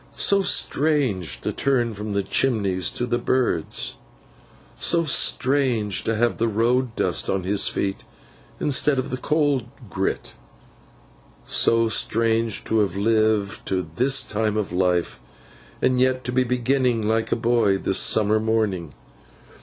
So strange to turn from the chimneys to the birds. So strange, to have the road dust on his feet instead of the coal grit. So strange to have lived to his time of life, and yet to be beginning like a boy this summer morning!